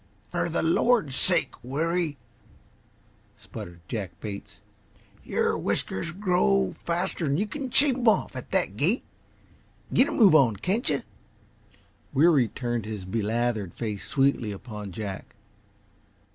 "For the Lord's sake, Weary!" spluttered Jack Bates. "Your whiskers grow faster'n you can shave 'em off, at that gait. Get a move on, can't yuh?" Weary turned his belathered face sweetly upon Jack.